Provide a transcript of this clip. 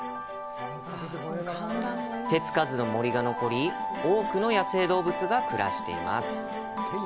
手つかずの森が多く残り多くの野生動物が暮らします。